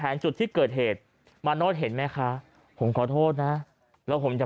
จุดที่เกิดเหตุมาโน้ตเห็นไหมคะผมขอโทษนะแล้วผมจะ